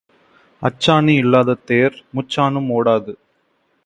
அச்சாணி இல்லாத தேர் முச்சாணும் ஓடாது.